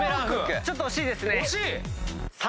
ちょっと惜しいですね。